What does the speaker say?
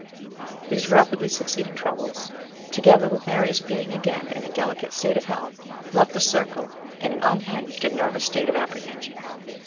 These rapidly succeeding troubles, to gether with Mary's being again in a delicate state of health, left the circle in an unhinged and nervous state of apprehension.